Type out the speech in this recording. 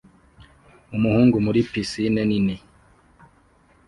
Umuhungu muri pisine nini